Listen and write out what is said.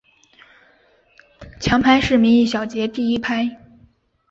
强拍是每小节第一拍。